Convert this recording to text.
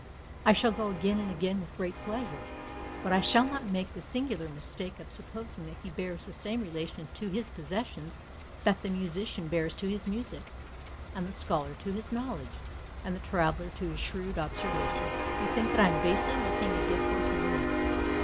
I shall go again and again with great pleasure. But I shall not make the singular mistake of supposing that he bears the same relation to his possessions that the musician bears to his music, and the scholar to his knowledge, and the traveller to his shrewd observation. "You think that I am basely looking a gift horse in the mouth.